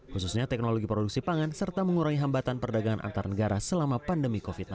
khususnya teknologi produksi pangan serta mengurangi hambatan perdagangan antar negara selama pandemi covid sembilan belas